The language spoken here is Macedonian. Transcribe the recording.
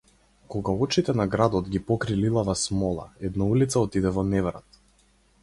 Кога очите на градот ги покри лилава смола една улица отиде во неврат.